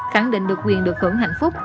khẳng định được quyền được hưởng hạnh phúc